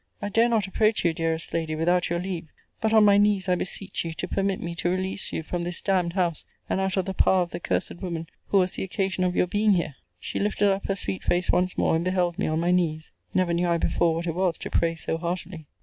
I dare not approach you, dearest lady, without your leave: but on my knees I beseech you to permit me to release you from this d d house, and out of the power of the cursed woman, who was the occasion of your being here! She lifted up her sweet face once more, and beheld me on my knees. Never knew I before what it was to pray so heartily.